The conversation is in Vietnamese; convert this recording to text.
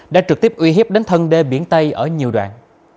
đã trực tiếp uy hiếp đến thân đê biển tây ở nhiều đoạn